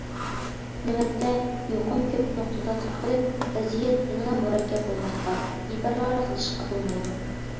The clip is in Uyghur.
نۆۋەتتە، يۇقۇم كۆپ نۇقتىدا تارقىلىپ، ۋەزىيەت يەنىلا مۇرەككەپ بولماقتا، بىپەرۋالىق قىلىشقا بولمايدۇ.